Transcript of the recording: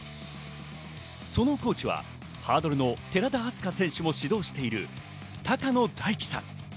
そのコーチはハードルの寺田明日香選手も指導している、高野大樹さん。